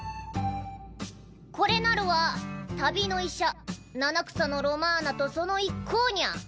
これなるは旅の医者七草のロマーナとその一行ニャ。